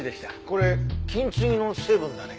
これ金継ぎの成分だね。